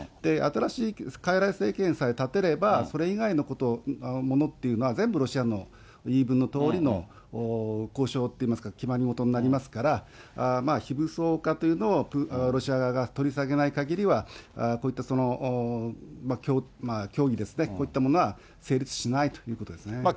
新しいかいらい政権さえ立てれば、それ以外のこと、ものっていうのは、全部ロシアの言い分のとおりの交渉といいますか、決まりごとになりますから、まあ非武装化というのをロシア側が取り下げないかぎりは、こういった協議ですね、こういったものは成立しないということですね。